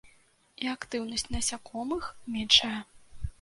І актыўнасць насякомых меншая.